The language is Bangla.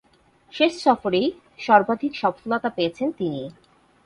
শেষ সফরেই সর্বাধিক সফলতা পেয়েছেন তিনি।